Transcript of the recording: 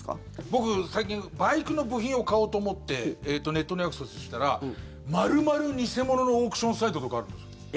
僕、最近バイクの部品を買おうと思ってネットにアクセスしたら丸々偽物のオークションサイトとかあるんです。